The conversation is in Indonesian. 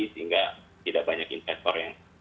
sehingga tidak banyak investor yang